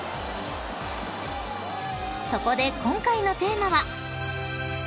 ［そこで今回のテーマは］